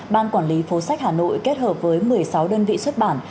ban quản lý phố sách hà nội kết hợp với một mươi sáu đơn vị xuất bản